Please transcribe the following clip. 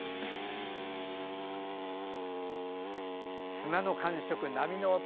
砂の感触、波の音